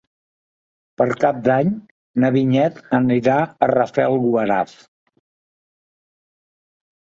Per Cap d'Any na Vinyet anirà a Rafelguaraf.